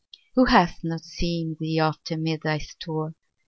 2. Who hath not seen thee oft amid thy store?